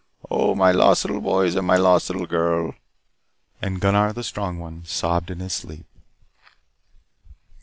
Oh, my lost little boys and my lost little girl " And Gunnar, the strong one, sobbed in his sleep.